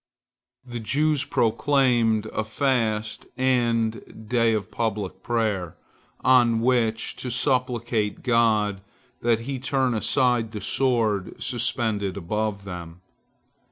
The Jews proclaimed a fast and day of public prayer, on which to supplicate God that He turn aside the sword suspended above them.